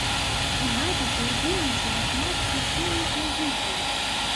У запісе ўдзельнічала шмат сесійных музыкаў.